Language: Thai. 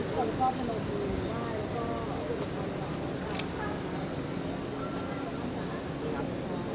คนข้อมูลอย่างง่ายแล้วก็